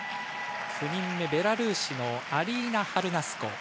ベラルーシのアリーナ・ハルナスコ。